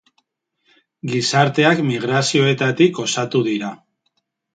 Gizarteak migrazioetatik osatu dira.